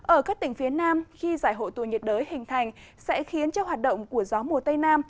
ở các tỉnh phía nam khi giải hội tù nhiệt đới hình thành sẽ khiến cho hoạt động của gió mùa tây nam